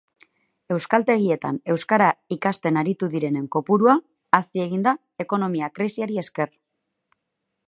Euskaltegietan euskara ikasten aritu direnen kopurua hazi egin da ekonomia krisiari esker.